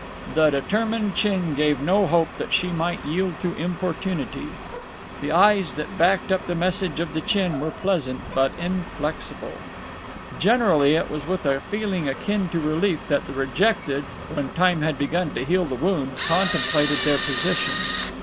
The determined chin gave no hope that she might yield to importunity. The eyes that backed up the message of the chin were pleasant, but inflexible. Generally it was with a feeling akin to relief that the rejected, when time had begun to heal the wound, contemplated their position.